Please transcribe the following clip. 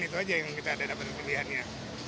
itu aja yang kita dapat pilihannya